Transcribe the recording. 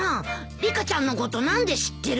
リカちゃんのこと何で知ってるの？